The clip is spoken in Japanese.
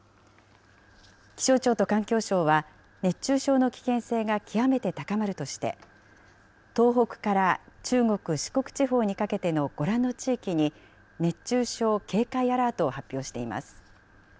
気象庁と環境省は、熱中症の危険性が極めて高まるとして、東北から中国、四国地方にかけてのご覧の地域に、熱中症警戒アラートを発表しています。